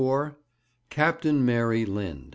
CAPTAIN MARY LIND.